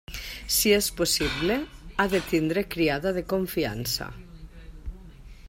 Si és possible, ha de tindre criada de confiança.